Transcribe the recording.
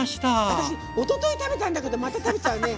私おととい食べたんだけどまた食べちゃうね。